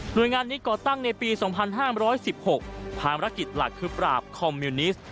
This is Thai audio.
โดยงานนี้ก่อตั้งในปี๒๕๑๖ภารกิจหลักคือปราบคอมมิวนิสต์